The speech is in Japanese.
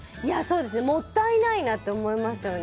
もったいないなって思いますよね。